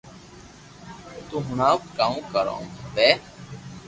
تو ھڻاو ڪاو ڪروو کپي